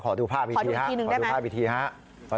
ขอดูภาพอีกทีครับ